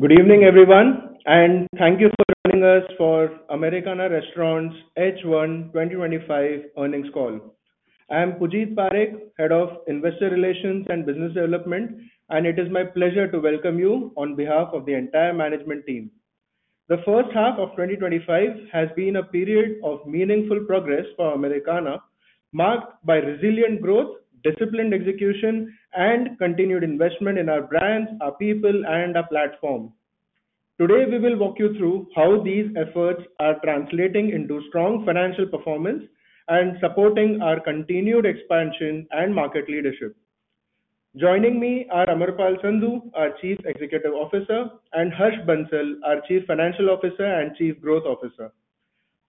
Good evening, everyone, and thank you for joining us for Americana Restaurants h one twenty twenty five earnings call. I'm Poojit Parekh, head of investor relations and business development, and it is my pleasure to welcome you on behalf of the entire management team. The 2025 has been a period of meaningful progress for Americana marked by resilient growth, disciplined execution, and continued investment in our brands, our people, and our platform. Today, we will walk you through how these efforts are translating into strong financial performance and supporting our continued expansion and market leadership. Joining me are Amarpal Sandhu, our chief executive officer, and Harsh Bansal, our chief financial officer and chief growth officer.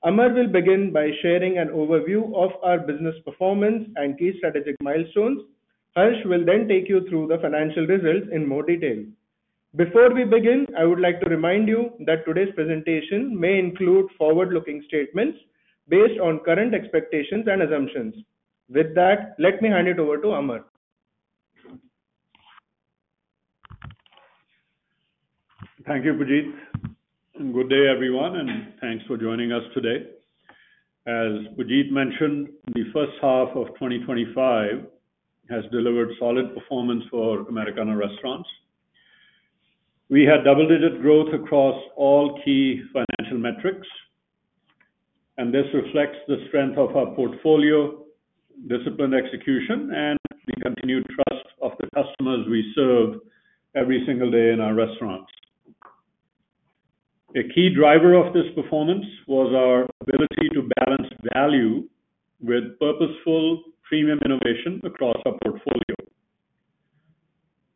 Amar will begin by sharing an overview of our business performance and key strategic milestones. Harsh will then take you through the financial results in more detail. Before we begin, I would like to remind you that today's presentation may include forward looking statements based on current expectations and assumptions. With that, let me hand it over to Amar. Thank you, Pajit. Good day, everyone, and thanks for joining us today. As Pajit mentioned, the 2025 has delivered solid performance for Americana restaurants. We had double digit growth across all key financial metrics, and this reflects the strength of our portfolio, disciplined execution, and the continued trust of the customers we serve every single day in our restaurants. A key driver of this performance was our ability to balance value with purposeful premium innovation across our portfolio.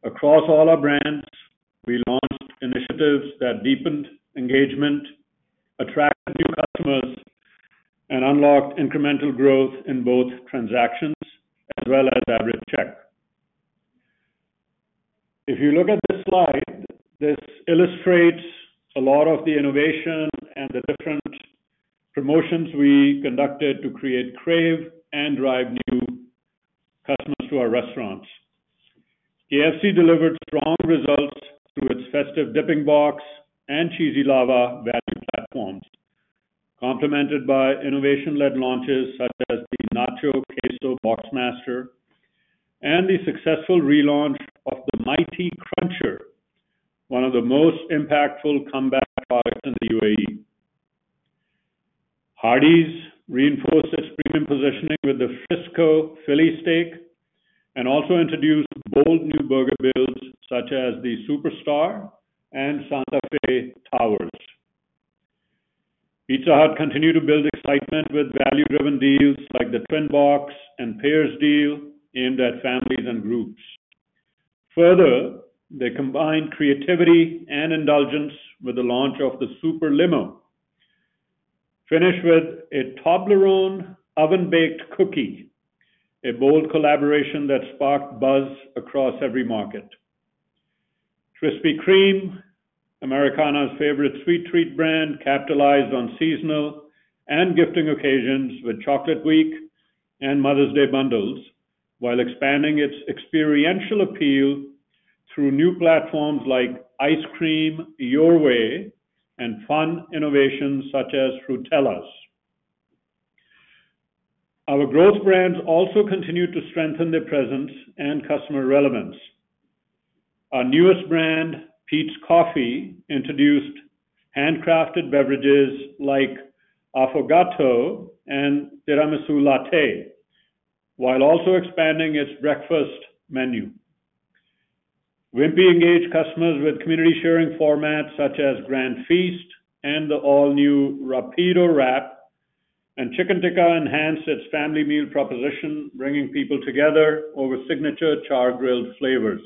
Across all our brands, we launched initiatives that deepened engagement, attract new customers, and unlock incremental growth in both transactions as well as average check. If you look at this slide, this illustrates a lot of the innovation and the different promotions we conducted to create Crave and drive new customers to our restaurants. KFC delivered strong results through its festive dipping box and cheesy lava value platforms, complemented by innovation led launches such as the Nacho Queso Boxmaster and the successful relaunch of the Mighty Cruncher, one of the most impactful comeback products in The UAE. Hardee's reinforced its premium positioning with the Frisco Philly steak and also introduced bold new burger builds such as the Superstar and Santa Fe Towers. Pizza Hut continue to build excitement with value driven deals like the Twin Box and Pairs deal aimed at families and groups. Further, they combined creativity and indulgence with the launch of the Super Limo. Finished with a Toblerone oven baked cookie, a bold collaboration that sparked buzz across every market. Krispy Kreme, Americana's favorite sweet treat brand capitalized on seasonal and gifting occasions with chocolate week and Mother's Day bundles while expanding its experiential appeal through new platforms like ice cream your way and fun innovations such as Frutellas. Our growth brands also continue to strengthen their presence and customer relevance. Our newest brand, Pete's Coffee, introduced handcrafted beverages like affogato and tiramisu latte, while also expanding its breakfast menu. Wimpy engaged customers with community sharing formats such as grand feast and the all new Rapido Wrap, and Chicken Tikka enhanced its family meal proposition, bringing people together over signature chargrilled flavors.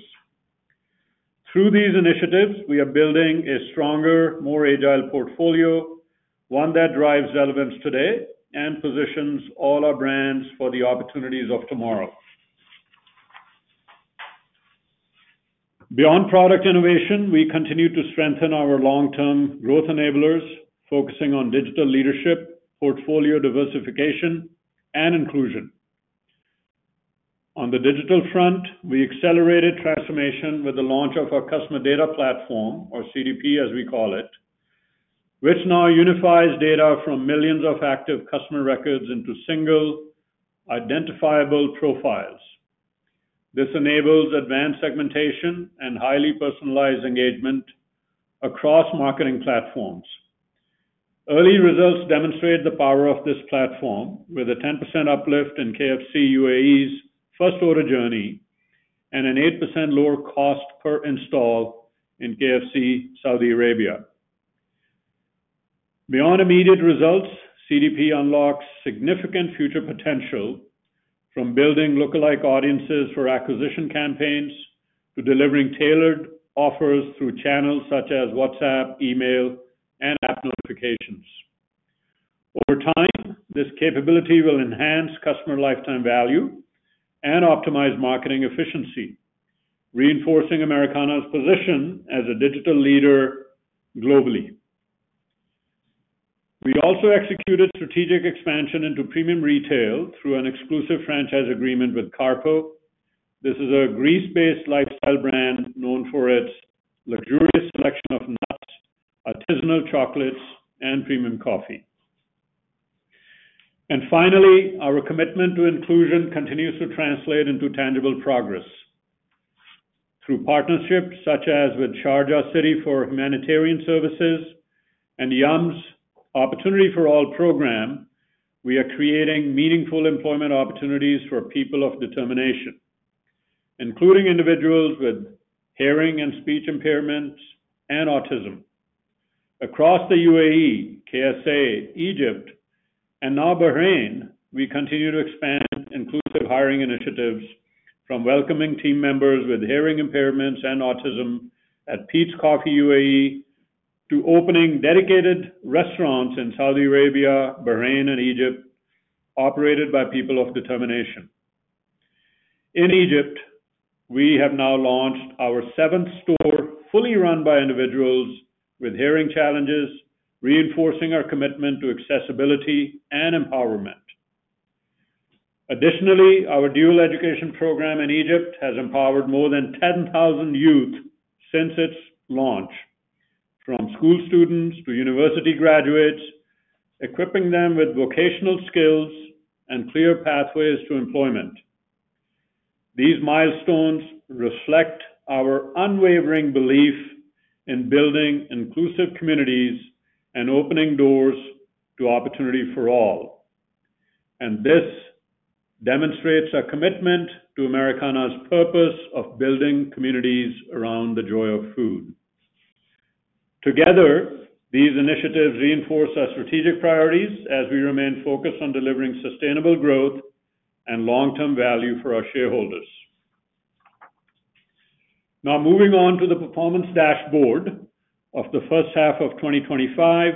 Through these initiatives, we are building a stronger, more agile portfolio, one that drives relevance today and positions all our brands for the opportunities of tomorrow. Beyond product innovation, we continue to strengthen our long term growth enablers, focusing on digital leadership, portfolio diversification, and inclusion. On the digital front, we accelerated transformation with the launch of our customer data platform or CDP as we call it, which now unifies data from millions of active customer records into single identifiable profiles. This enables advanced segmentation and highly personalized engagement across marketing platforms. Early results demonstrate the power of this platform with a 10% uplift in KFC UAE's first order journey and an 8% lower cost per install in KFC, Saudi Arabia. Beyond immediate results, CDP unlocks significant future potential from building lookalike audiences for acquisition campaigns to delivering tailored offers through channels such as WhatsApp, email, and app notifications. Over time, this capability will enhance customer lifetime value and optimize marketing efficiency, reinforcing Americana's position as a digital leader globally. We also executed strategic expansion into premium retail through an exclusive franchise agreement with Carpo. This is a Greece based lifestyle brand known for its luxurious selection of nuts, artisanal chocolates, and premium coffee. And finally, our commitment to inclusion continues to translate into tangible progress. Through partnerships such as with Sharjah City for humanitarian services and YUM's opportunity for all program, we are creating meaningful employment opportunities for people of determination, including individuals with hearing and speech impairments and autism. Across The UAE, KSA, Egypt, and now Bahrain, we continue to expand inclusive hiring initiatives from welcoming team members with hearing impairments and autism at Pete's Coffee UAE to opening dedicated restaurants in Saudi Arabia, Bahrain, and Egypt operated by people of determination. In Egypt, we have now launched our seventh store fully run by individuals with hearing challenges, reinforcing our commitment to accessibility and empowerment. Additionally, our dual education program in Egypt has empowered more than 10,000 youth since its launch, from school students to university graduates, equipping them with vocational skills and clear pathways to employment. These milestones reflect our unwavering belief in building inclusive communities and opening doors to opportunity for all, and this demonstrates our commitment to Americana's purpose of building communities around the joy of food. Together, these initiatives reinforce our strategic priorities as we remain focused on delivering sustainable growth and long term value for our shareholders. Now moving on to the performance dashboard of the 2025,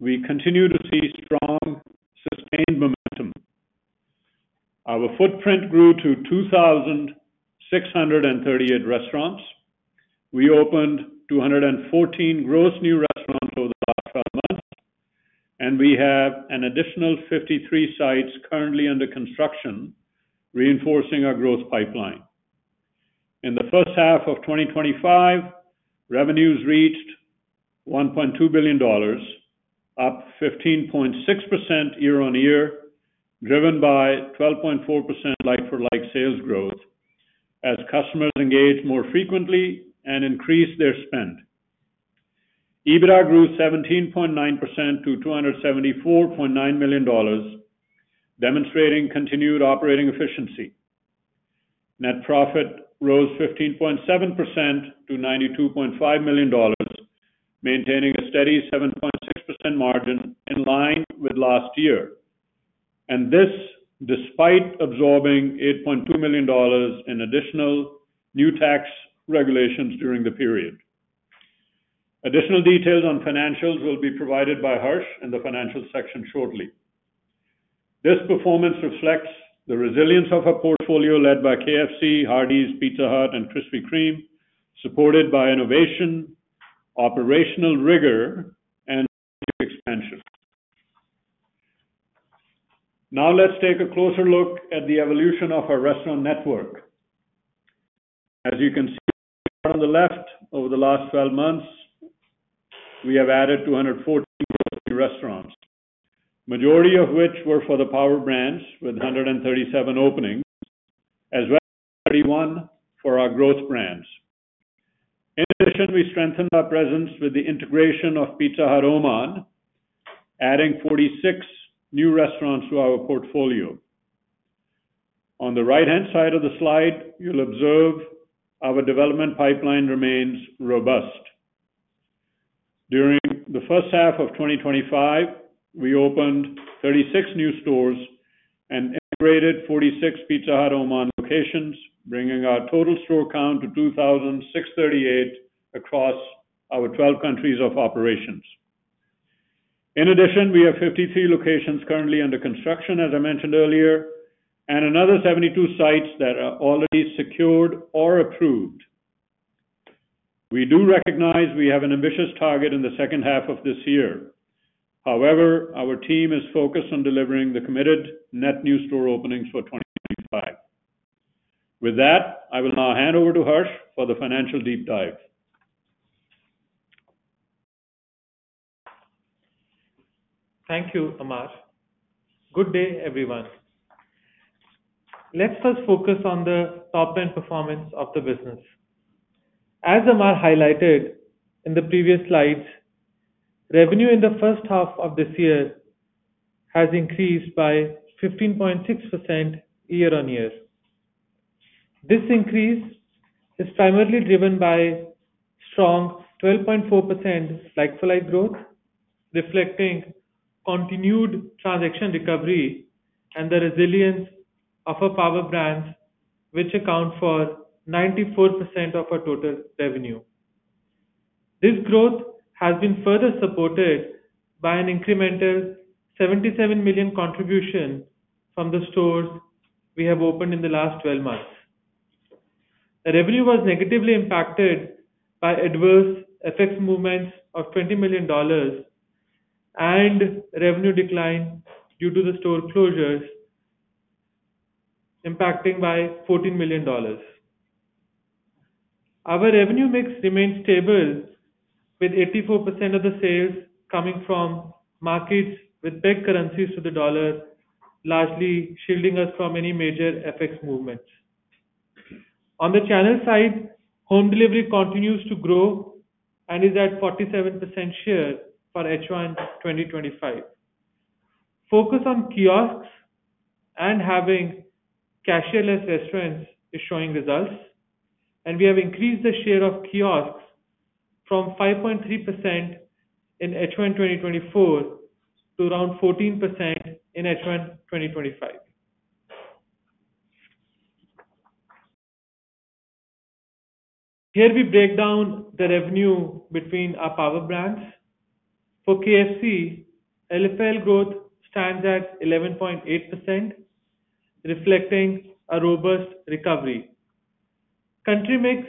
we continue to see strong sustained momentum. Our footprint grew to 2,638 restaurants. We opened 214 gross new restaurants over the last twelve months, and we have an additional 53 sites currently under construction reinforcing our growth pipeline. In the 2025, revenues reached $1,200,000,000, up 15.6% year on year, driven by 12.4% like for like sales growth as customers engage more frequently and increase their spend. EBITDA grew 17.9% to $274,900,000, demonstrating continued operating efficiency. Net profit rose 15.7% to $92,500,000, maintaining a steady 7.6% margin in line with last year. And this despite absorbing $8,200,000 in additional new tax regulations during the period. Additional details on financials will be provided by Harsh in the financial section shortly. This performance reflects the resilience of our portfolio led by KFC, Hardee's, Pizza Hut, and Krispy Kreme, supported by innovation, operational rigor, and expansion. Now let's take a closer look at the evolution of our restaurant network. As you can see on the left, over the last twelve months, we have added 240 restaurants, majority of which were for the power brands with 137 openings as 31 for our growth brands. In addition, we strengthened our presence with the integration of Pizza Hut Oman, adding 46 new restaurants to our portfolio. On the right hand side of the slide, you'll observe our development pipeline remains robust. During the 2025, we opened 36 new stores and rated 46 Pizza Hut Oman locations, bringing our total store count to two thousand six thirty eight across our 12 countries of operations. In addition, we have 53 locations currently under construction, as I mentioned earlier, and another 72 sites that are already secured or approved. We do recognize we have an ambitious target in the second half of this year. However, our team is focused on delivering the committed net new store openings for 25. With that, I will now hand over to Harsh for the financial deep dive. Thank you, Amar. Good day, everyone. Let's first focus on the top end performance of the business. As Ammar highlighted in the previous slides, revenue in the first half of this year has increased by 15.6% year on year. This increase is primarily driven by strong 12.4 like for like growth, reflecting continued transaction recovery and the resilience of our power brands, which account for 94% of our total revenue. This growth has been further supported by an incremental 77,000,000 contribution from the stores we have opened in the last twelve months. The revenue was negatively impacted by adverse FX movements of $20,000,000 and revenue decline due to the store closures, impacting by $14,000,000. Our revenue mix remained stable with 84% of the sales coming from markets with big currencies to the dollar, largely shielding us from any major FX movements. On the channel side, home delivery continues to grow and is at 47% share for h one twenty twenty five. Focus on kiosks and having cashier less restaurants is showing results, and we have increased the share of kiosks from 5.3 in h one twenty twenty four to around 14% in h one twenty twenty five. Here, we break down the revenue between our power brands. For KFC, LFL growth stands at 11.8%, reflecting a robust recovery. Country mix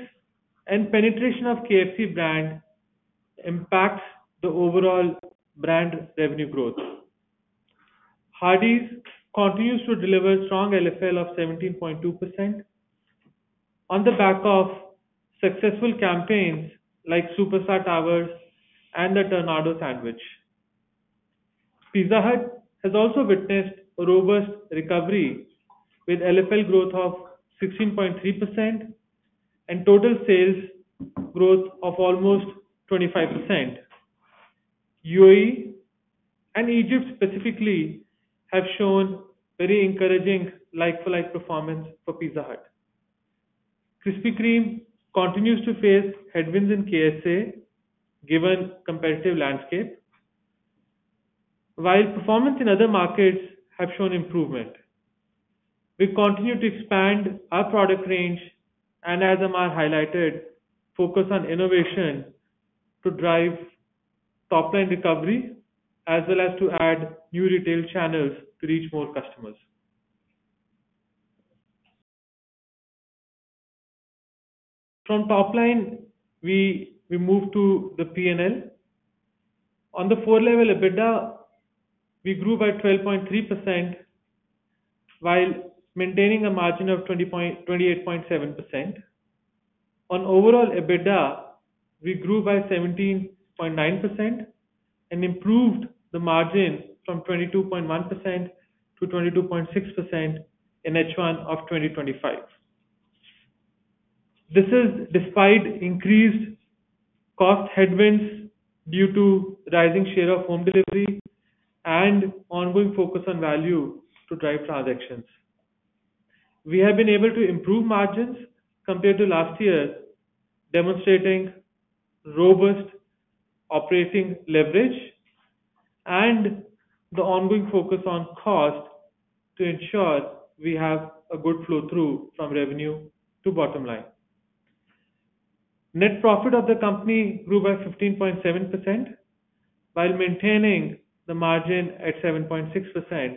and penetration of KFC brand impacts the overall brand revenue growth. Hardee's continues to deliver strong LFL of 17.2% on the back of successful campaigns like Superstar Towers and the Tornado sandwich. Pizza Hut has also witnessed robust recovery with LFL growth of 16.3% and total sales growth of almost 25%. UAE and Egypt specifically have shown very encouraging like for like performance for Pizza Hut. Krispy Kreme continues to face headwinds in KSA given competitive landscape, while performance in other markets have shown improvement. We continue to expand our product range and as Ammar highlighted, focus on innovation to drive top line recovery as well as to add new retail channels to reach more customers. From top line, we we move to the p and l. On the four level EBITDA, we grew by 12.3% while maintaining a margin of 20 28.7. On overall EBITDA, we grew by 17.9% and improved the margin from 22.1% to 22.6% in 2025. This is despite increased cost headwinds due to rising share of home delivery and ongoing focus on value to drive transactions. We have been able to improve margins compared to last year, demonstrating robust operating leverage and the ongoing focus on cost to ensure we have a good flow through from revenue to bottom line. Net profit of the company grew by 15.7 while maintaining the margin at 7.6%.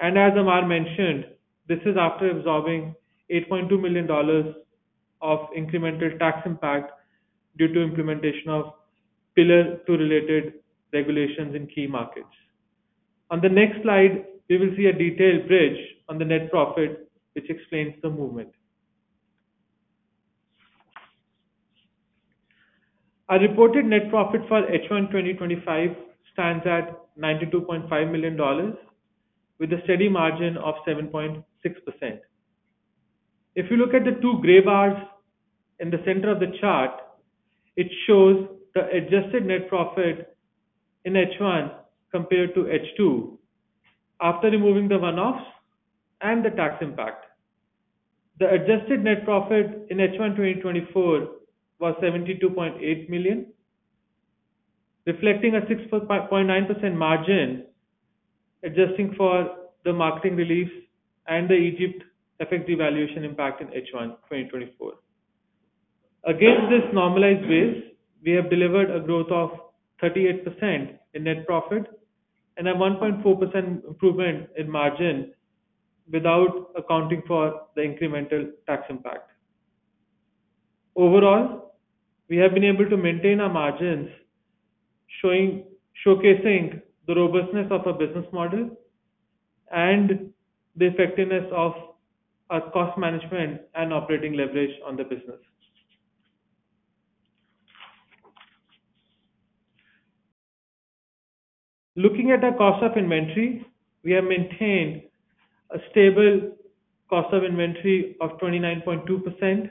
And as Amar mentioned, this is after absorbing $8,200,000 of incremental tax impact due to implementation of pillar two related regulations in key markets. On the next slide, we will see a detailed bridge on the net profit, which explains the movement. Our reported net profit for h one twenty twenty five stands at $92,500,000 with a steady margin of 7.6%. If you look at the two grey bars in the center of the chart, it shows the adjusted net profit in H1 compared to H2 after removing the one offs and the tax impact. The adjusted net profit in h one twenty twenty four was 72,800,000.0, reflecting a 6.9% margin adjusting for the marketing relief and the Egypt effective valuation impact in h one twenty twenty four. Against this normalized base, we have delivered a growth of 38% in net profit and a 1.4% improvement in margin without accounting for the incremental tax impact. Overall, we have been able to maintain our margins showing showcasing the robustness of our business model and the effectiveness of our cost management and operating leverage on the business. Looking at our cost of inventory, we have maintained a stable cost of inventory of 29.2%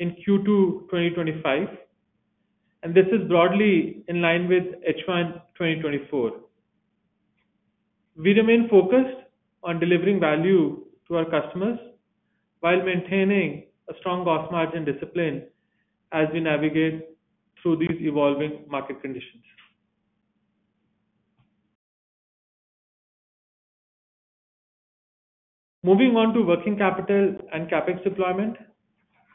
in q two twenty twenty five, and this is broadly in line with H1 twenty twenty four. We remain focused on delivering value to our customers while maintaining a strong gross margin discipline as we navigate through these evolving market conditions. Moving on to working capital and CapEx deployment.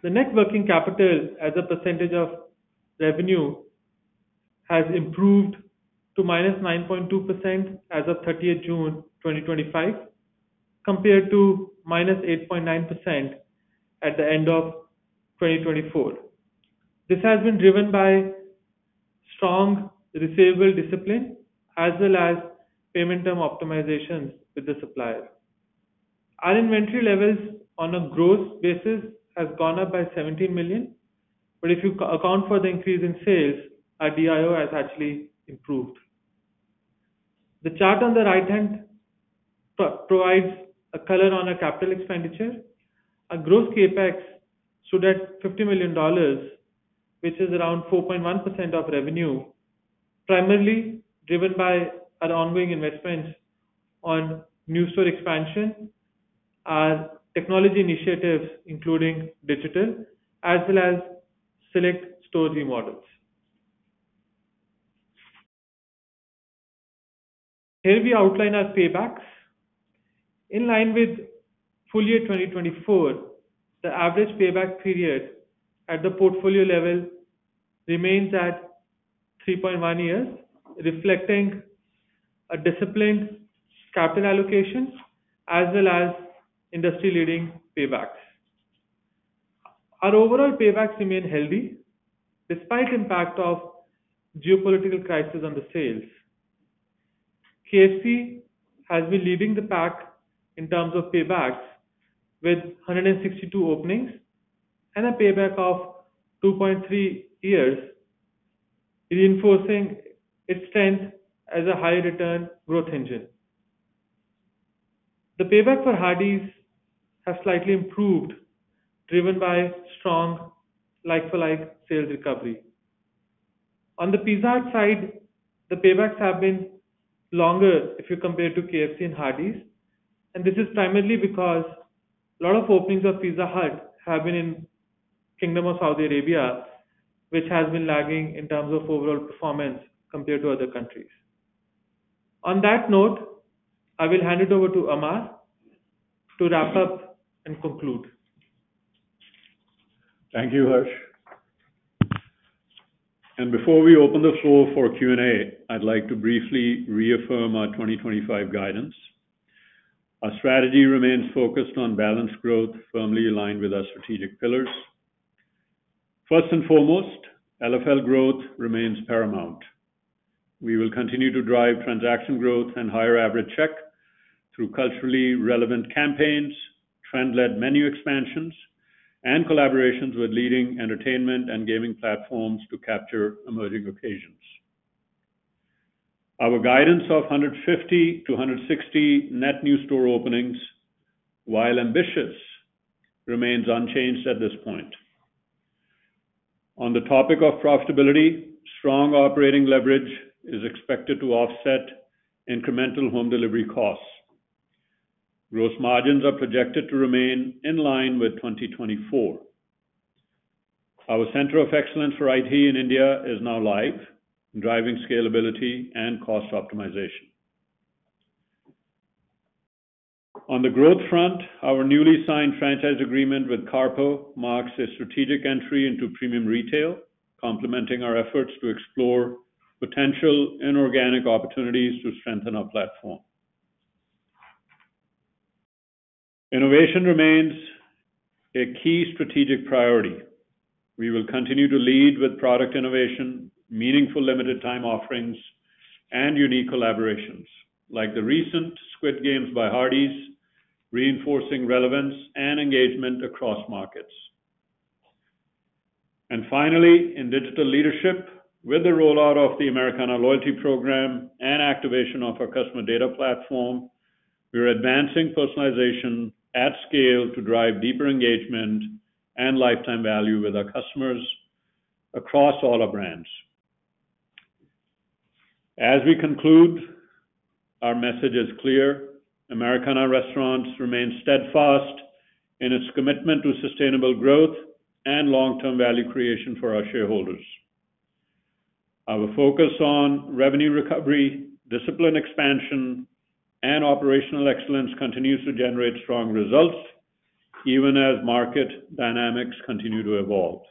The net working capital as a percentage of revenue has improved to minus 9.2% as of thirtieth June twenty twenty five compared to minus 8.9% at the 2024. This has been driven by strong receivable discipline as well as payment term optimizations with the supplier. Our inventory levels on a gross basis have gone up by 17,000,000, but if you account for the increase in sales, our DIO has actually improved. The chart on the right hand provides a color on our capital expenditure. Our gross CapEx stood at $50,000,000, around 4.1% of revenue, primarily driven by our ongoing investments on new store expansion and technology initiatives including digital as well as select store remodels. Here we outline our paybacks. In line with full year 2024, the average payback period at the portfolio level remains at three point one years, reflecting a disciplined capital allocation as well as industry leading paybacks. Our overall paybacks remain healthy despite impact of geopolitical crisis on the sales. KSP has been leading the pack in terms of paybacks with 162 openings and a payback of two point three years, reinforcing its strength as a high return growth engine. The payback for Hardee's has slightly improved driven by strong like for like sales recovery. On the Pizza Hut side, the paybacks have been longer if you compare to KFC and Hardee's, and this is primarily because lot of openings of Pizza Hut have been in Kingdom Of Saudi Arabia, which has been lagging in terms of overall performance compared to other countries. On that note, I will hand it over to Ammar to wrap up and conclude. Thank you, Harsh. And before we open the floor for q and a, I'd like to briefly reaffirm our 2025 guidance. Our strategy remains focused on balanced growth firmly aligned with our strategic pillars. First and foremost, LFL growth remains paramount. We will continue to drive transaction growth and higher average check through culturally relevant campaigns, trend led menu expansions, and collaborations with leading entertainment and gaming platforms to capture emerging occasions. Our guidance of 150 to 160 net new store openings, while ambitious, remains unchanged at this point. On the topic of profitability, strong operating leverage is expected to offset incremental home delivery costs. Gross margins are projected to remain in line with 2024. Our center of excellence for IT in India is now live, driving scalability and cost optimization. On the growth front, our newly signed franchise agreement with Carpo marks a strategic entry into premium retail, complementing our efforts to explore potential inorganic opportunities to strengthen our platform. Innovation remains a key strategic priority. We will continue to lead with product innovation, meaningful limited time offerings, and unique collaborations, like the recent Squid Games by Hardee's, reinforcing relevance and engagement across markets. And finally, in digital leadership, with the rollout of the Americana loyalty program and activation of our customer data platform, we're advancing personalization at scale to drive deeper engagement and lifetime value with our customers across all our brands. As we conclude, our message is clear. Americana Restaurants remains steadfast in its commitment to sustainable growth and long term value creation for our shareholders. Our focus on revenue recovery, discipline expansion, and operational excellence continues to generate strong results even as market dynamics continue to evolve.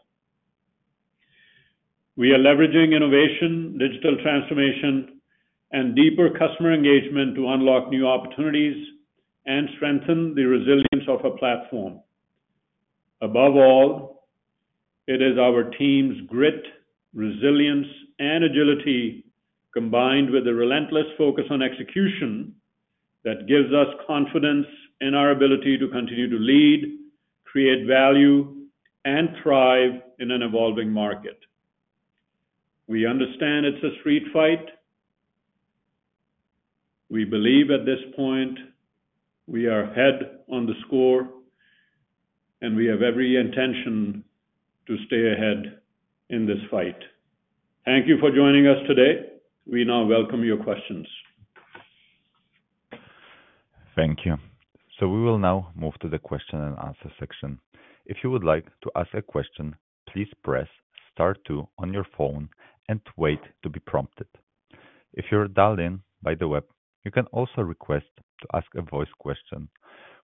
We are leveraging innovation, digital transformation, and deeper customer engagement to unlock new opportunities and strengthen the resilience of our platform. Above all, it is our team's grit, resilience, and agility combined with a relentless focus on execution that gives us confidence in our ability to continue to lead, create value, and thrive in an evolving market. We understand it's a street fight. We believe at this point. We are head on the score, and we have every intention to stay ahead in this fight. Thank you for joining us today. We now welcome your questions. Thank you. So we will now move to the question and answer section. If you would like to ask a question, please press star two on your phone and wait to be prompted. If you're dialed in by the web, you can also request to ask a voice question.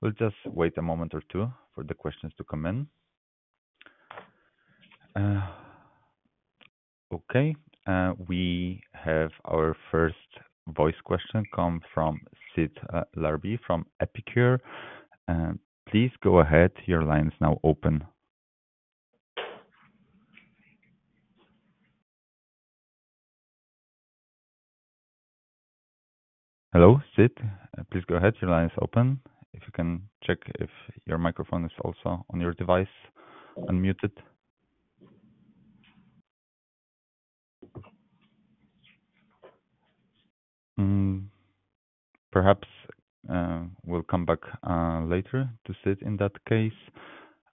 We'll just wait a moment or two for the questions to come in. Okay. We have our first voice question come from Sid Larbi from Epicure. Please go ahead. Your line is now open. Hello, Sid. Please go ahead. Your line is open. If you can check if your microphone is also on your device unmuted. Perhaps we'll come back later to sit in that case,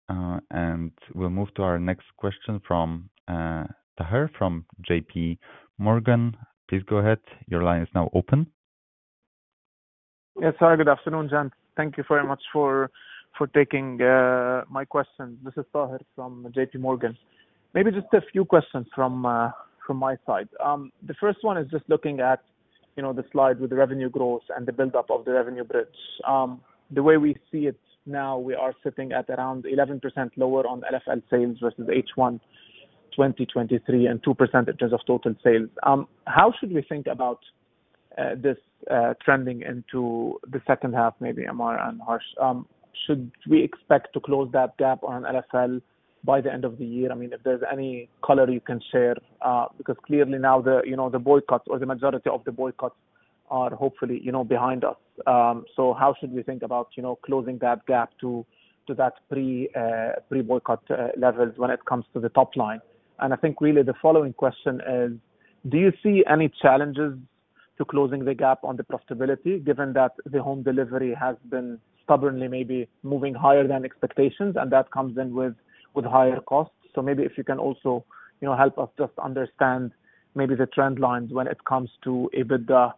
And we'll move to our next question from Tahir from JPMorgan. Please go ahead. Your line is now open. Yes. Hi. Good afternoon, Jan. Thank you very much for for taking my question. This is Tahir from JPMorgan. Maybe just a few questions from from my side. The first one is just looking at, you know, the slide with the revenue growth and the buildup of the revenue Bridge. The way we see it now, we are sitting at around 11% lower on LFL sales versus h one twenty twenty three and two percentages of total sales. How should we think about this trending into the second half maybe, Amar and Harsh? Should we expect to close that gap on LSL by the end of the year? I mean, if there's any color you can share. Because, clearly, now the, you know, the boycott or the majority of the boycotts are hopefully, you know, behind us. So how should we think about, you know, closing that gap to to that pre, pre boycott levels when it comes to the top line? And I think, really, the following question is, do you see any challenges to closing the gap on the profitability given that the home delivery has been stubbornly maybe moving higher than expectations, and that comes in with with higher costs. So maybe if you can also, you know, help us just understand maybe the trend lines when it comes to EBITDA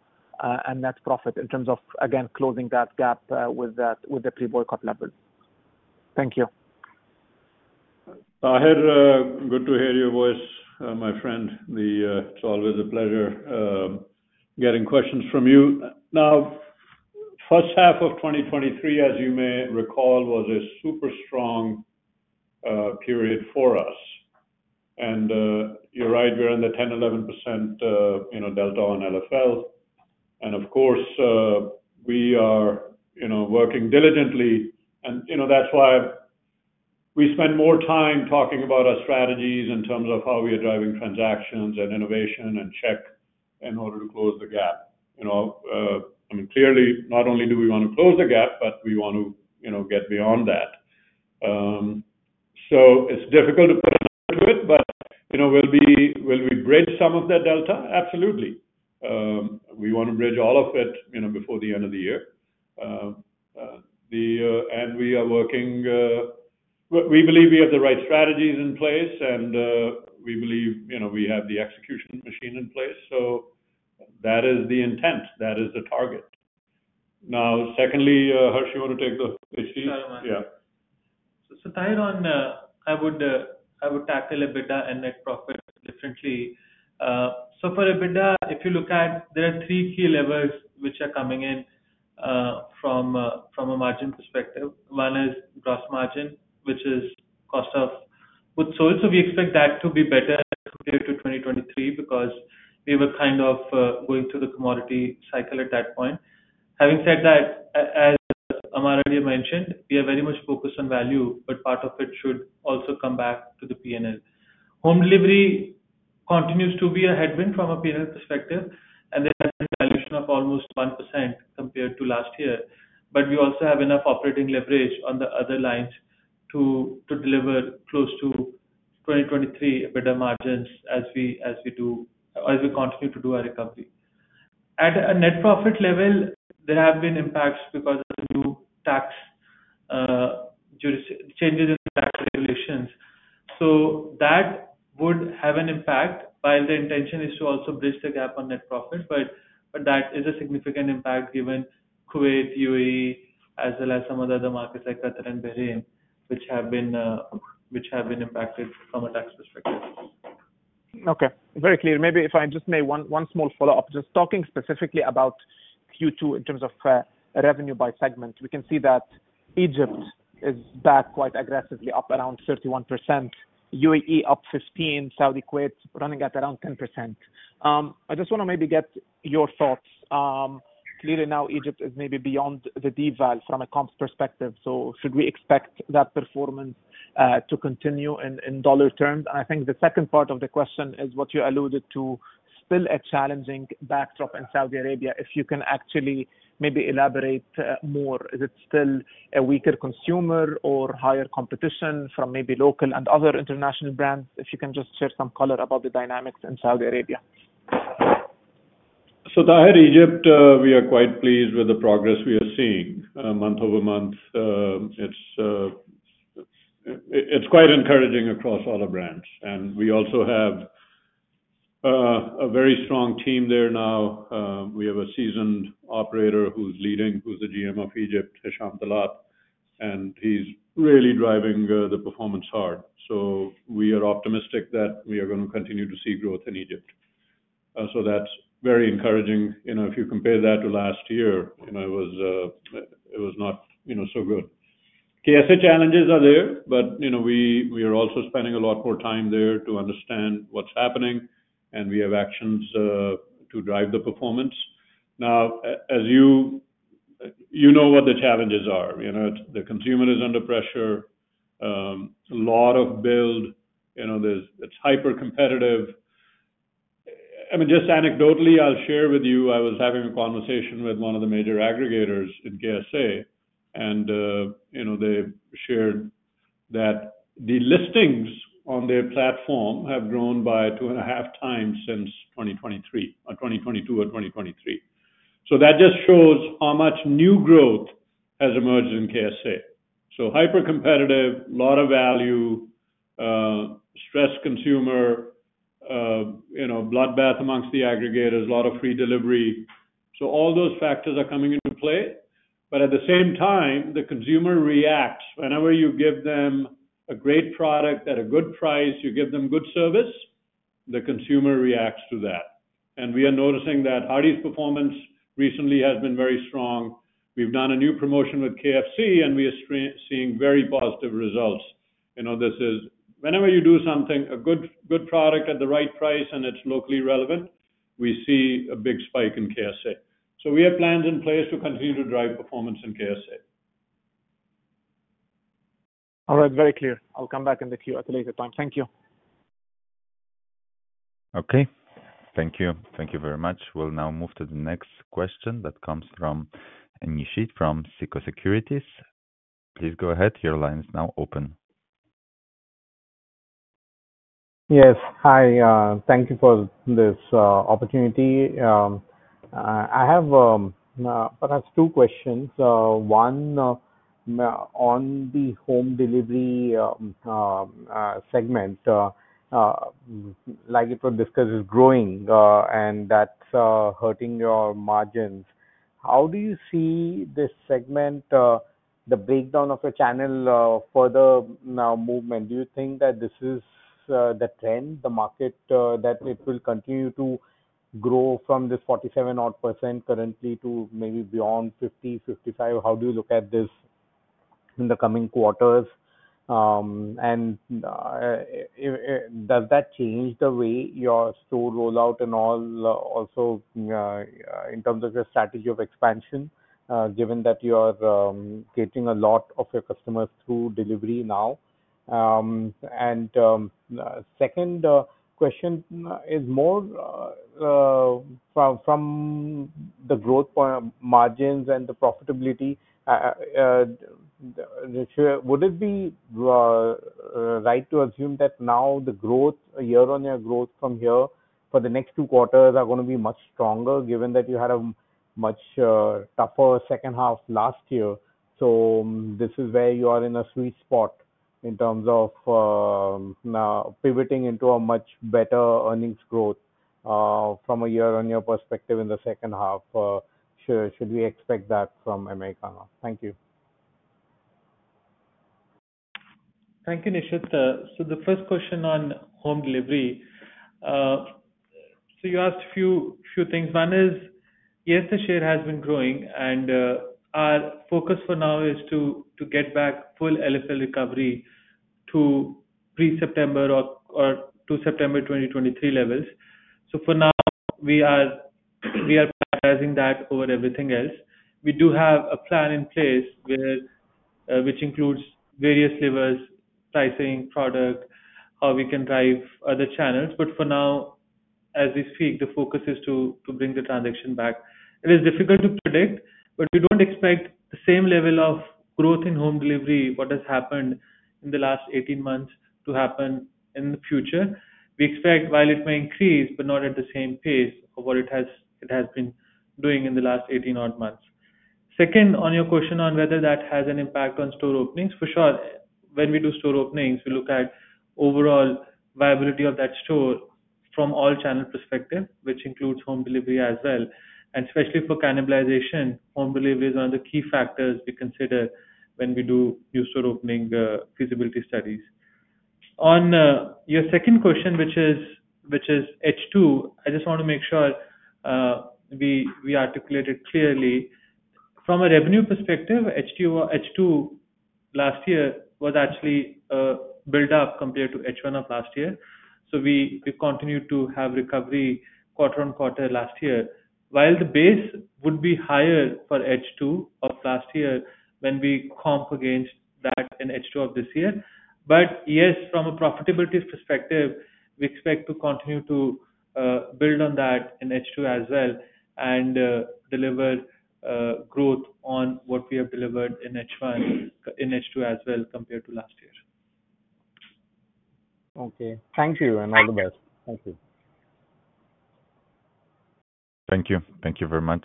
and net profit in terms of, again, closing that gap with that with the prevork up level? Thank you. Ahir, good to hear your voice, my friend. The it's always a pleasure getting questions from you. Now 2023, as you may recall, was a super strong period for us. And you're right. We're in the 11%, you know, delta on LFL. And, of course, we are, you know, working diligently. And, you know, that's why we spend more time talking about our strategies in terms of how we are driving transactions and innovation and check order to close the gap. You know? I mean, clearly, not only do we wanna close the gap, but we wanna, you know, get beyond that. So it's difficult to put with, but, you know, will be will we bridge some of that delta? Absolutely. We wanna bridge all of it, you know, before the end of the year. The and we are working we believe we have the right strategies in place, and we believe, you know, we have the execution machine in place. So that is the intent. That is the target. Now secondly, Harsh, you wanna take the Yeah. So so, Tyrone, I would I would tackle EBITDA and net profit differently. So for EBITDA, if you look at, there are three key levers which are coming in from from a margin perspective. One is gross margin, which is cost of wood sold. So we expect that to be better compared to 2023 because we were kind of going through the commodity cycle at that point. Having said that, Amar already mentioned, we are very much focused on value, but part of it should also come back to the PNL. Home delivery continues to be a headwind from a p and perspective, and the of almost 1% compared to last year. But we also have enough operating leverage on the other lines to to deliver close to twenty twenty three better margins as we as we do as we continue to do our recovery. At a net profit level, there have been impacts because of new tax changes in tax relations. So that would have an impact while the intention is to also bridge the gap on net profit, but but that is a significant impact given Kuwait, UAE, as well as some other markets like Qatar and Bahrain, which have been which have been impacted from a tax perspective. Okay. Very clear. Maybe if I just may one one small follow-up. Just talking specifically about q two in terms of revenue by segment, we can see that Egypt is back quite aggressively up around 31%, UAE up 15, Saudi quits running at around 10%. I just wanna maybe get your thoughts. Clearly, now Egypt is maybe beyond the devals from a comps perspective. So should we expect that performance to continue in in dollar terms? And I think the second part of the question is what you alluded to, still a challenging backdrop in Saudi Arabia. If you can actually maybe elaborate more, is it still a weaker consumer or higher competition from maybe local and other international brands? If you can just share some color about the dynamics in Saudi Arabia. So Tahir Egypt, we are quite pleased with the progress we are seeing month over month. It's it's quite encouraging across all the brands, and we also have very strong team there now. We have a seasoned operator who's leading, who's the GM of Egypt, Hisham Talat, and he's really driving the performance hard. So we are optimistic that we are gonna continue to see growth in Egypt. So that's very encouraging. You know, if you compare that to last year, you know, it was it was not, you know, so good. KSA challenges are there, but, you know, we we are also spending a lot more time there to understand what's happening, and we have actions to drive the performance. Now as you you know what the challenges are. You know? The consumer is under pressure. A lot of build. You know, there's it's hypercompetitive. I mean, just anecdotally, I'll share with you. I was having a conversation with one of the major aggregators in KSA, and, you know, they shared that the listings on their platform have grown by two and a half times since 2023 or 2022 or 2023. So that just shows how much new growth has emerged in KSA. So hypercompetitive, lot of value, stress consumer, you know, bloodbath amongst the aggregators, lot of free delivery. So all those factors are coming into play. But at the same time, the consumer reacts. Whenever you give them a great product at a good price, you give them good service, the consumer reacts to that. And we are noticing that Adi's performance recently has been very strong. We've done a new promotion with KFC, and we are seeing very positive results. You know, this is whenever you do something, a good good product at the right price and it's locally relevant, we see a big spike in KSA. So we have plans in place to continue to drive performance in KSA. Alright. Very clear. I'll come back in the queue at a later time. Thank you. Okay. Thank you. Thank you very much. We'll now move to the next question that comes from Anishit from Seco Securities. Please go ahead. Your line is now open. Yes. Hi. Thank you for this, opportunity. I have, perhaps two questions. One, on the home delivery segment, like you discussed, it's growing, and that's hurting your margins. How do you see this segment, the breakdown of your channel for the movement? Do you think that this is the trend, the market, that it will continue to grow from this 47 odd percent currently to maybe beyond fifty, fifty five? How do you look at this in the coming quarters? And does that change the way your store rollout and all also in terms of your strategy of expansion given that you are getting a lot of your customers through delivery now? And second question is more from the growth point of margins and the profitability, would it be right to assume that now the growth year on year growth from here for the next two quarters are gonna be much stronger given that you had a much tougher second half last year. So this is where you are in a sweet spot in terms of pivoting into a much better earnings growth from a year on year perspective in the second half. Should should we expect that from American? Thank you. Thank you, Nishith. So the first question on home delivery. So you asked few few things. One is, yes, the share has been growing, and our focus for now is to to get back full LFL recovery to pre September or or to September 2023 levels. So for now, we are we are that over everything else. We do have a plan in place where which includes various levers, pricing, product, how we can drive other channels. But for now, as we speak, the focus is to to bring the transaction back. It is difficult to predict, but we don't expect the same level of growth in home delivery, what has happened in the last eighteen months to happen in the future. We expect while it may increase, but not at the same pace of what it has it has been doing in the last eighteen odd months. Second, on your question on whether that has an impact on store openings, for sure, when we do store openings, we look at overall viability of that store from all channel perspective, which includes home delivery as well. And especially for cannibalization, home deliveries are the key factors we consider when we do user opening feasibility studies. On your second question, which is which is h two, I just wanna make sure we we articulated clearly. From a revenue perspective, h two h two last year was actually built up compared to h one of last year. So we we continue to have recovery quarter on quarter last year, while the base would be higher for h two of last year when we comp against that in h two of this year. But, yes, from a profitability perspective, we expect to continue to build on that in h two as well and deliver growth on what we have delivered in h one in h two as well compared to last year. Okay. Thank you, and all the best. Thank you. Thank you. Thank you very much.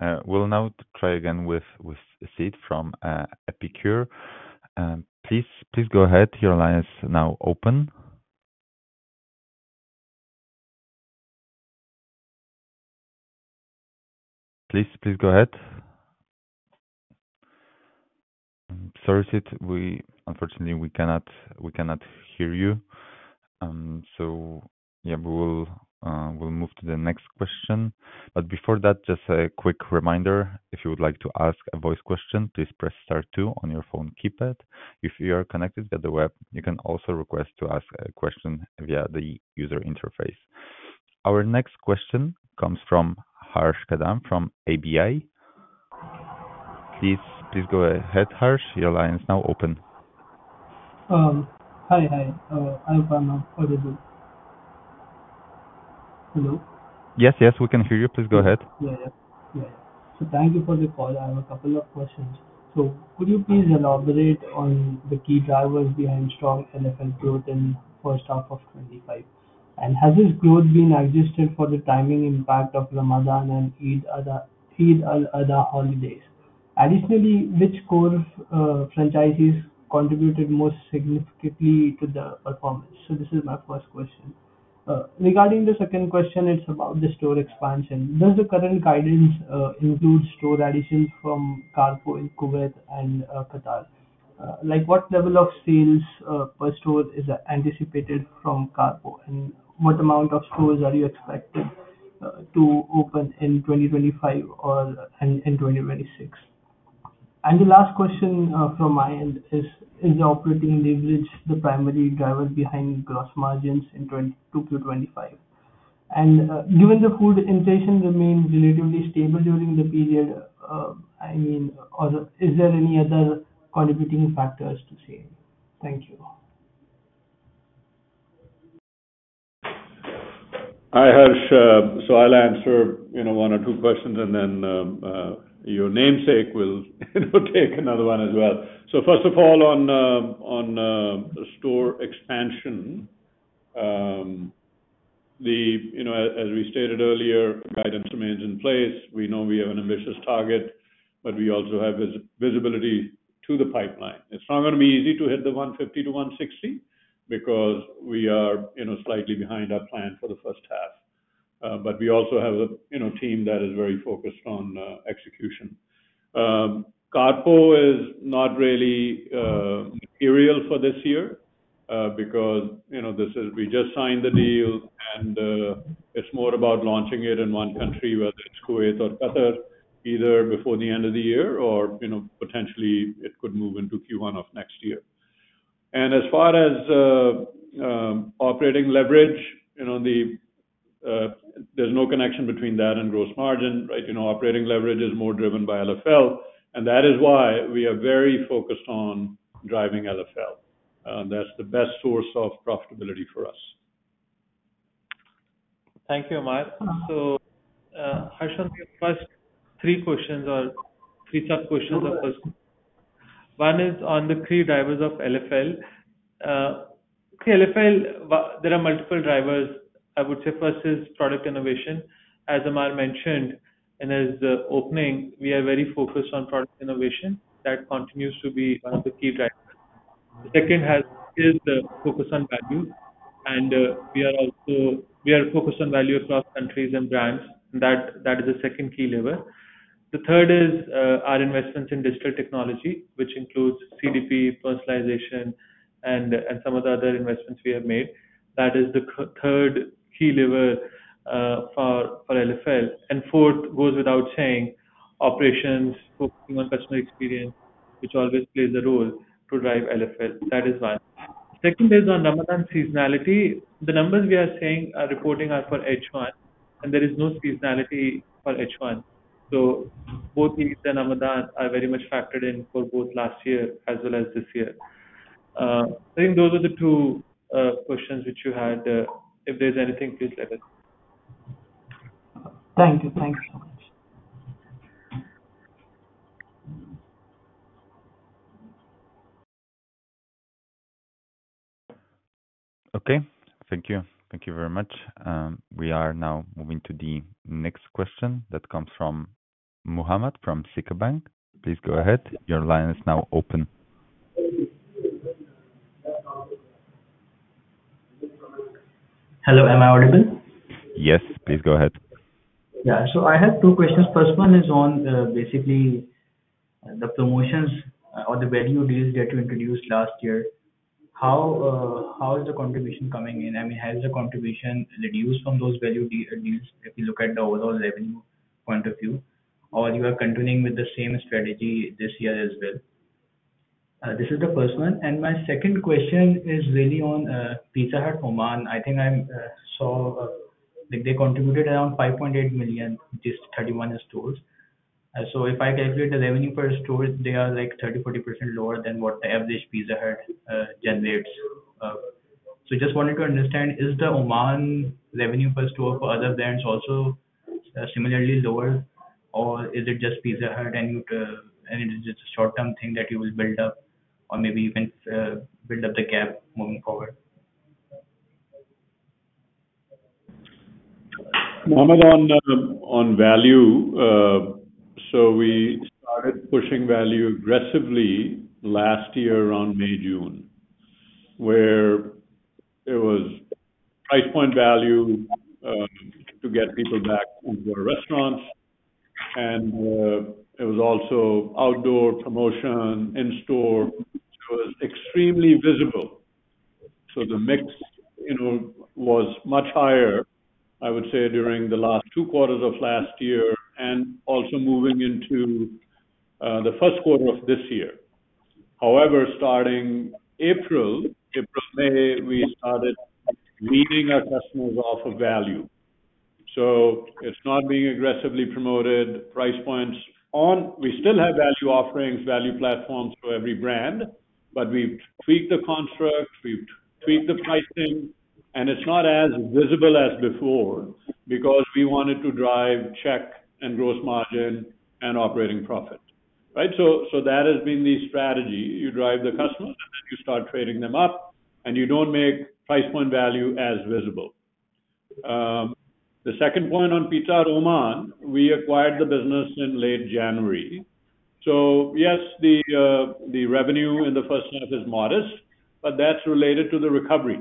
So, we'll now try again with with Sid from, Epicure. Please please go ahead. Your line is now open. Please please go ahead. Sorry, Sid. We unfortunately, we cannot we cannot hear you. So, yeah, we will we'll move to the next question. But before that, just a quick reminder. If you would like to ask a voice question, please press star two on your phone keypad. If you are connected via the web, you can also request to ask a question via the user interface. Our next question comes from Harsh Gadam from ABI. Please please go ahead, Harsh. Your line is now open. Hi. Hi. I'm Farno. Hello? Yes. Yes. We can hear you. Please go ahead. Yeah. Yeah. Yeah. So thank you for the call. I have a couple of questions. So could you please elaborate on the key drivers behind strong elephant growth in '25? And has this growth been adjusted for the timing impact of Ramadan and Eid Ada Eid and Ada holidays? Additionally, which core franchisees contributed most significantly to the performance? So this is my first question. Regarding the second question, it's about the store expansion. Does the current guidance include store additions from Carpool in Kuwait and Qatar? Like, what level of sales per store is anticipated from Carpool, and what amount of stores are you expected to open in 2025 or in in 2026? And the last question from my end is is the operating leverage the primary driver behind gross margins in twenty two to twenty five? And given the food inflation remain relatively stable during the period, I mean, are there is there any other contributing factors to say? Thank you. Hi, Harsh. So I'll answer, you know, one or two questions, and then your namesake will will take another one as well. So first of all, on on store expansion, The you know, as we stated earlier, guidance remains in place. We know we have an ambitious target, but we also have visibility to the pipeline. It's not gonna be easy to hit the one fifty to one sixty because we are, you know, slightly behind our plan for the first half. But we also have a, you know, team that is very focused on execution. Carpool is not really material for this year because, you know, this is we just signed the deal, and it's more about launching it in one country, whether it's Kuwait or Qatar, either before the end of the year or, you know, potentially, it could move into q one of next year. And as far as operating leverage, you know, the there's no connection between that and gross margin. Right? You know, operating leverage is more driven by LFL, and that is why we are very focused on driving LFL. That's the best source of profitability for us. Thank you, Omar. So, Harshan, your first three questions are three sub questions of course. One is on the key drivers of LFL. K. LFL, there are multiple drivers. I would say first is product innovation. As Amar mentioned in his opening, we are very focused on product innovation that continues to be one of the key drivers. The second has is the focus on value, and we are also we are focused on value across countries and brands. That that is the second key lever. The third is our investments in digital technology, which includes CDP, personalization, and and some of the other investments we have made. That is the third key lever for for LFL. And fourth goes without saying, operations, focusing on customer experience, which always plays a role to drive LFL. That is one. Second is on number one seasonality. The numbers we are saying are reporting are for h one, and there is no seasonality for h one. So both East and Amadan are very much factored in for both last year as well as this year. I think those are the two questions which you had. If there's anything, please let us. Thank you. Thank you so much. Okay. Thank you. Thank you very much. We are now moving to the next question that comes from Muhammad from Citibank. Please go ahead. Your line is now open. Hello. Am I audible? Yes. Please go ahead. Yeah. So I have two questions. First one is on, basically, the promotions or the value deals that you introduced last year. How how is the contribution coming in? I mean, has the contribution reduced from those value deals if you look at the overall revenue point of view, or you are continuing with the same strategy this year as well? This is the first one. And my second question is really on Pizza Hut Oman. I think I'm so, like, they contributed around 5,800,000.0, just 31 stores. So if I calculate the revenue per store, they are, like, thirty, forty percent lower than what the average Pizza Hut generates. So just wanted to understand, is the Oman revenue per store for other brands also similarly lower, or is it just Pizza Hut and and it is just a short term thing that you will build up or maybe even build up the gap moving forward. Mohammed, on on value, so we started pushing value aggressively last year around May, June, where it was price point value to get people back into our restaurants, and it was also outdoor promotion in store. It It was extremely visible. So the mix, you know, was much higher, I would say, during the last two quarters of last year and also moving into the first quarter of this year. However, starting April April, May, we started leading our customers off of value. So it's not being aggressively promoted, price points on we still have value offerings, value platforms for every brand, but we've tweaked the construct. We've tweaked the pricing, and it's not as visible as before because we wanted to drive check and gross margin and operating profit. Right? So so that has been the strategy. You drive the customers, and then you start trading them up, and you don't make price point value as visible. The second point on Pizza Hut Oman, we acquired the business in late January. So, yes, the the revenue in the first half is modest, but that's related to the recovery.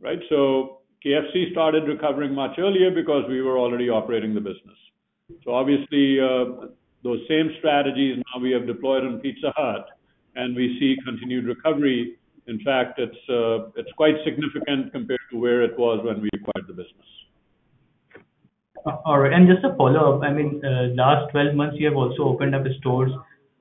Right? So KFC started recovering much earlier because we were already operating the business. So, obviously, those same strategies now we have deployed on Pizza Hut, and we see continued recovery. In fact, it's it's quite significant compared to where it was when we acquired the business. Alright. And just a follow-up. I mean, last twelve months, you have also opened up stores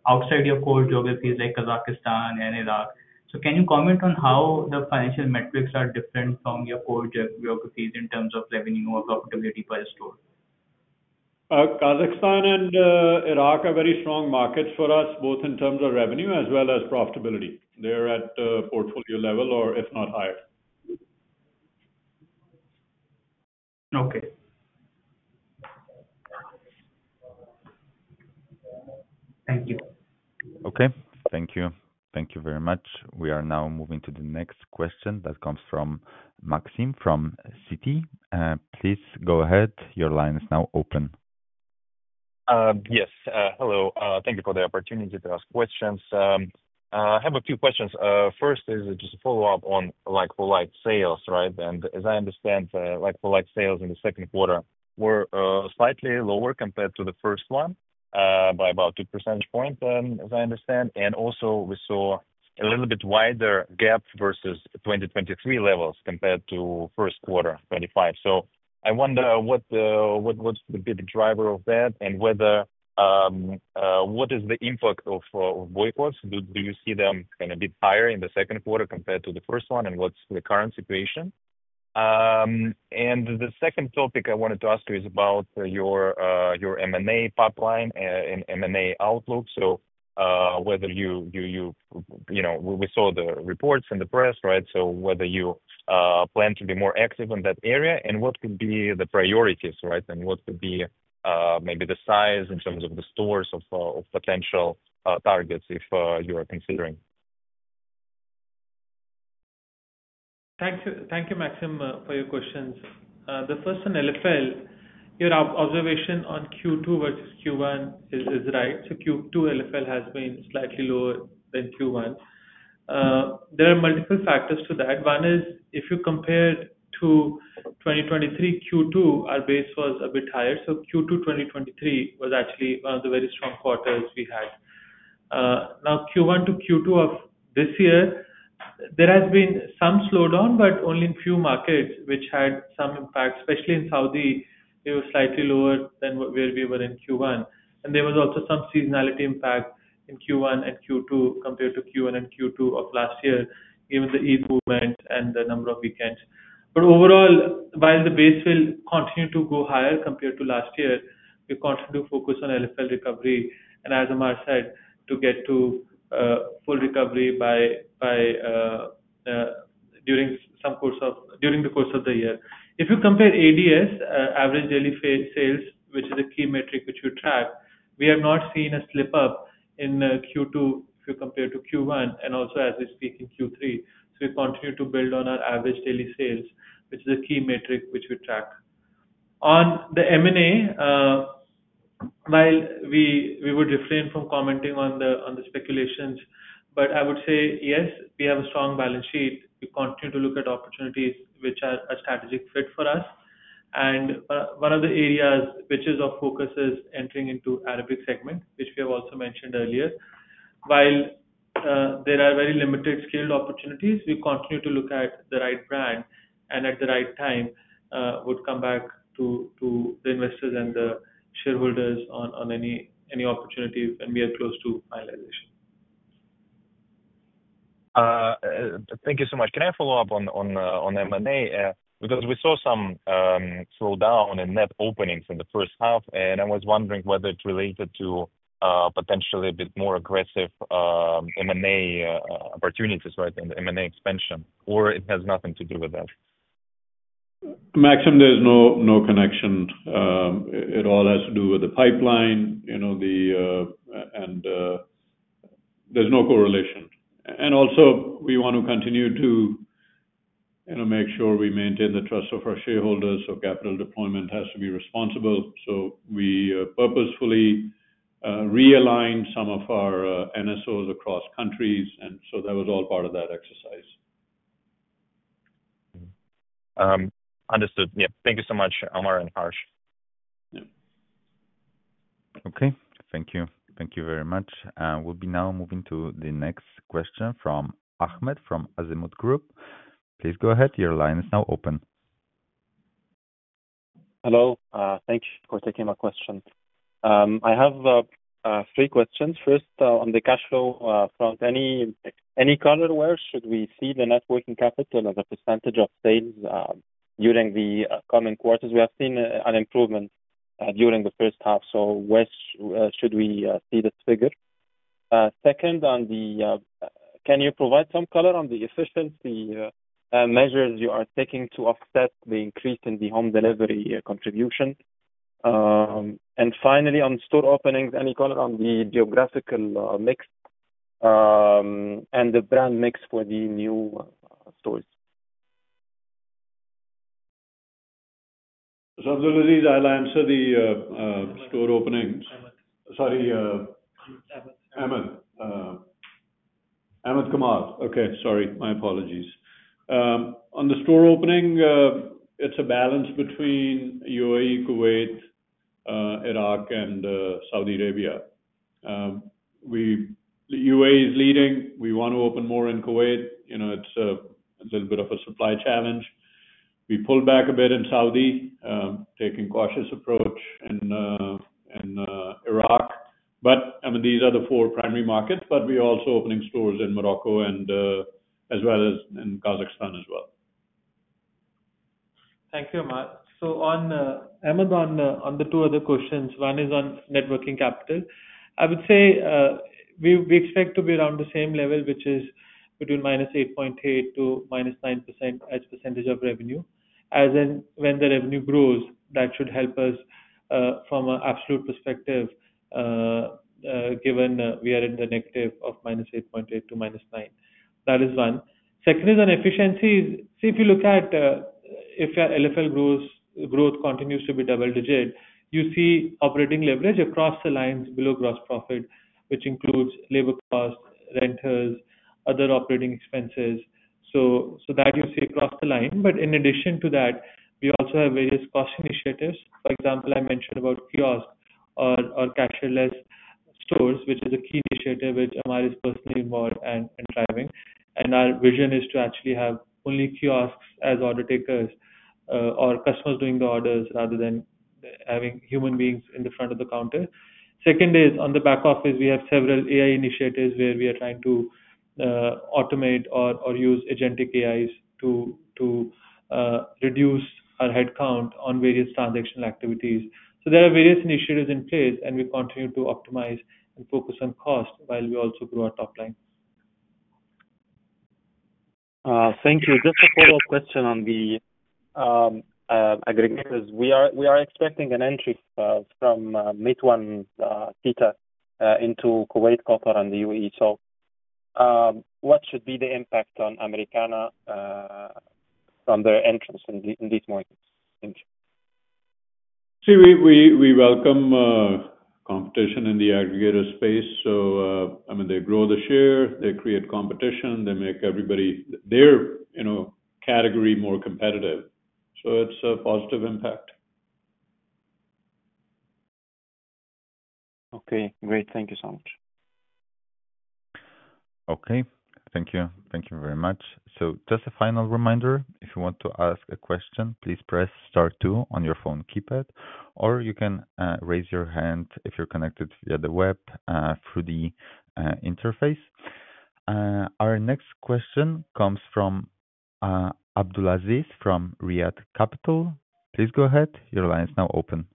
outside your core geographies like Kazakhstan and Iraq. So can you comment on how the financial metrics are different from your core geographies in terms of revenue or profitability per store? Kazakhstan and Iraq are very strong markets for us both in terms of revenue as well as profitability. They're at portfolio level or if not higher. Okay. Thank you. Okay. Thank you. Thank you very much. We are now moving to the next question that comes from Maxim from Citi. Please go ahead. Your line is now open. Yes. Hello. Thank you for the opportunity to ask questions. I have a few questions. First is just a follow-up on like for like sales. Right? And as I understand, like for like sales in the second quarter were slightly lower compared to the first one by about two percentage point then as I understand. And, also, we saw a little bit wider gap versus 2023 levels compared to first quarter twenty five. So I wonder what the what what's the bigger driver of that and whether what is the impact of VoIP was? Do do you see them kinda bit higher in the second quarter compared to the first one, and what's the current situation? And the second topic I wanted to ask you is about your your m and a pipeline and m and a outlook. So whether you you you you know, we we saw the reports in the press. Right? So whether you plan to be more active in that area, and what could be the priorities. Right? And what could be maybe the size in terms of the stores of of potential targets if you are considering? Thank you thank you, Maxim, for your questions. The first one, LFL, your observation on q two versus q one is is right. So q two LFL has been slightly lower than q one. There are multiple factors to that. One is if you compare to twenty twenty three q two, our base was a bit higher. So q two twenty twenty three was actually one of the very strong quarters we had. Now q one to q two of this year, there has been some slowdown, but only in few markets which had some impact, especially in Saudi. It was slightly lower than what where we were in q one. And there was also some seasonality impact in q one and q two compared to q one and q two of last year, even the improvement and the number of weekends. But overall, while the base will continue to go higher compared to last year, we continue to focus on LFL recovery. And as Amar said, to get to full recovery by by during some course of during the course of the year. If you compare ADS, average daily sales, which is a key metric which we track, we have not seen a slip up in q two if you compare to q one and also as we speak in q three. So we continue to build on our average daily sales, which is a key metric which we track. On the m and a, while we we would refrain from commenting on the on the speculations, but I would say, yes, we have a strong balance sheet. We continue to look at opportunities which are a strategic fit for us. And one of the areas which is our focus is entering into Arabic segment, which we have also mentioned earlier. While there are very limited skilled opportunities, we continue to look at the right brand and at the right time would come back to to the investors and the shareholders on on any any opportunities, and we are close to finalization. Thank you so much. Can I follow-up on on on m and a? Because we saw some slowdown in net openings in the first half, and I was wondering whether it's related to potentially a bit more aggressive m and a opportunities, right, in the m and a expansion, or it has nothing to do with that. Maxim, there's no no connection. It all has to do with the pipeline, you know, the and there's no correlation. And, also, we wanna continue to, you know, make sure we maintain the trust of our shareholders, so capital deployment has to be responsible. So we purposefully realigned some of our NSOs across countries, and so that was all part of that exercise. Understood. Yep. Thank you so much, Omar and Harsh. Yep. Okay. Thank you. Thank you very much. We'll be now moving to the next question from Ahmed from Azimut Group. I have three questions. First, on the cash flow front, any color where should we see the net working capital as a percentage of sales during the coming quarters? We have seen an improvement during the first half. So where should we see this figure? Second, on the can you provide some color on the efficiency measures you are taking to offset the increase in the home delivery contribution? And finally, on store openings, any color on the geographical mix and the brand mix for the new stores? So, Azul, Aziz, I'll answer the store openings. Sorry. Ahmed. Ahmed. Okay. Sorry. My apologies. On the store opening, it's a balance between UAE, Kuwait, Iraq, and Saudi Arabia. We The UAE is leading. We wanna open more in Kuwait. You know, it's a it's a little bit of a supply challenge. We pulled back a bit in Saudi, taking cautious approach in in Iraq. But, I mean, these are the four primary markets, but we're also opening stores in Morocco and as well as in Kazakhstan as well. Thank you, Omar. So on Amazon, on the two other questions, one is on networking capital. I would say we we expect to be around the same level, which is between minus 8.8 to minus 9% as percentage of revenue. As in when the revenue grows, that should help us from a absolute perspective given we are in the negative of minus 8.8 to minus nine. That is one. Second is on efficiencies. See, if you look at if your LFL grows growth continues to be double digit, you see operating leverage across the lines below gross profit, which includes labor cost, renters, other operating expenses. So so that you see across the line. But in addition to that, we also have various cost initiatives. For example, I mentioned about kiosk or or cashier less stores, which is a key initiative which Amar is personally involved in in driving. And our vision is to actually have only kiosks as order takers or customers doing the orders rather than having human beings in the front of the counter. Second is on the back office, we have several AI initiatives where we are trying to automate or or use agentic AIs to to reduce our headcount on various transactional activities. So there are various initiatives in place, and we continue to optimize and focus on cost while we also grow our top line. Thank you. Just a follow-up question on the aggregators. We are we are expecting an entry from Mitwanita into Kuwait, Qatar and The UAE. So what should be the impact on Americana from their entrance in the in this market? Thank you. See, we we we welcome competition in the aggregator space. So, I mean, they grow the share. They create competition. They make everybody their, you know, category more competitive. So it's a positive impact. Okay. Great. Thank you so much. Okay. Thank you. Thank you very much. So just a final reminder, if you want to ask a question, please press star two on your phone keypad, or you can raise your hand if you're connected via the web through the interface. Our next question comes from Abdulaziz from Riyadh Capital. Please go ahead. Your line is now open.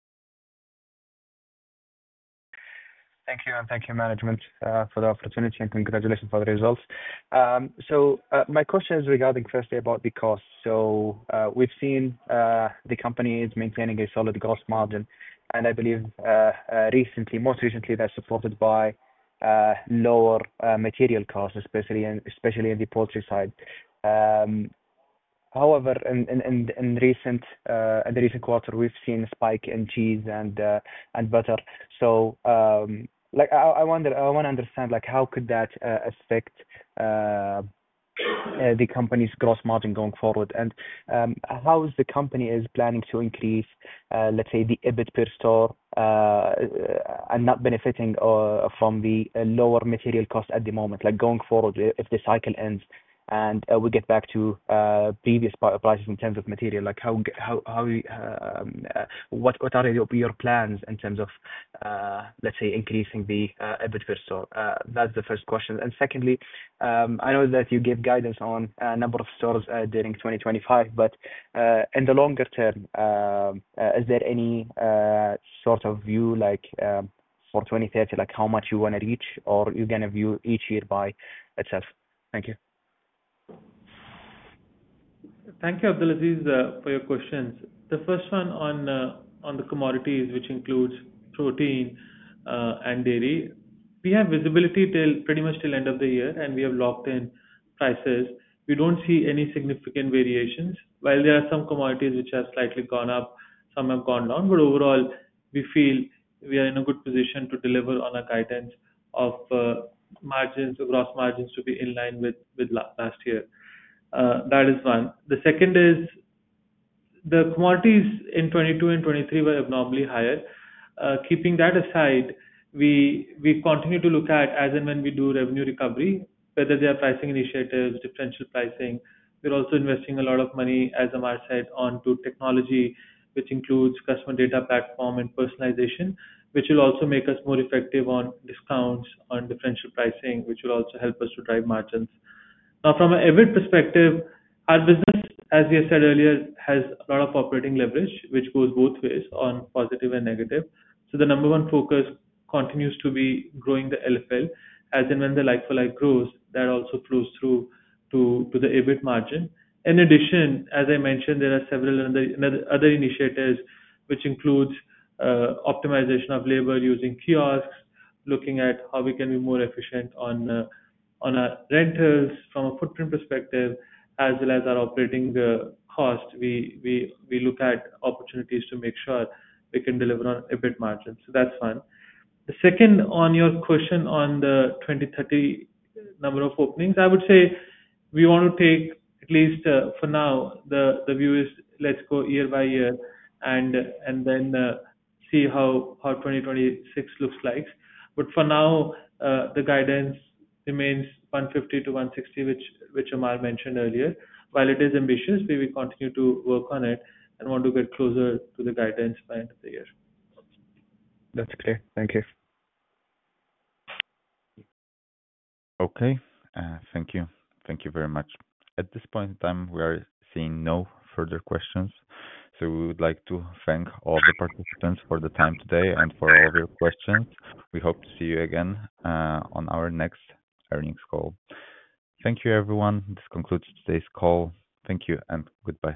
Thank you, and thank you management for the opportunity, and congratulations for the results. So my question is regarding firstly about the cost. So we've seen the company is maintaining a solid gross margin, and I believe recently most recently, that's supported by lower material costs, especially in especially in the poultry side. However, in in in in recent in the recent quarter, we've seen a spike in cheese and and butter. So, like, I I wonder I wanna understand, like, how could that affect the company's gross margin going forward? And how is the company is planning to increase, let's say, the EBIT per store and not benefiting from the lower material cost at the moment? Like, going forward, if the cycle ends and we get back to previous prices in terms of material, like, how how how we what what are your your plans in terms of, let's say, increasing the EBIT per store? That's the first question. And secondly, I know that you gave guidance on a number of stores during 2025. But in the longer term, is there any sort of view, like, for 2030, like, how much you wanna reach, or you're gonna view each year by itself? Thank you. Thank you, Abdulaziz, for your questions. The first one on on the commodities, which includes protein and dairy. We have visibility till pretty much till end of the year, and we have locked in prices. We don't see any significant variations. While there are some commodities which have slightly gone up, some have gone down. But overall, we feel we are in a good position to deliver on a guidance of margins or gross margins to be in line with with last year. That is one. The second is the quantities in '22 and '23 were abnormally higher. Keeping that aside, we we continue to look at as and when we do revenue recovery, whether they are pricing initiatives, differential pricing. We're also investing a lot of money, as Amar said, onto technology, which includes customer data platform and personalization, which will also make us more effective on discounts on differential pricing, which will also help us to drive margins. Now from a EBIT perspective, our business, as we have said earlier, has a lot of operating leverage, which goes both ways on positive and negative. So the number one focus continues to be growing the LFL as in when the like for like grows, that also flows through to to the EBIT margin. In addition, as I mentioned, there are several other initiatives which includes optimization of labor using kiosks, looking at how we can be more efficient on on our rentals from a footprint perspective as well as our operating cost. We we we look at opportunities to make sure we can deliver on EBIT margins. So that's fine. The second on your question on the twenty thirty number of openings, I would say we wanna take at least for now, the the view is let's go year by year and and then see how how 2026 looks like. But for now, the guidance remains one fifty to one sixty, which which Amar mentioned earlier. While it is ambitious, we will continue to work on it and want to get closer to the guidance by end of the year. That's clear. Thank you. Okay. Thank you. Thank you very much. At this point in time, we are seeing no further questions. So we would like to thank all the participants for the time today and for all your questions. We hope to see you again on our next earnings call. Thank you, everyone. This concludes today's call. Thank you, and goodbye.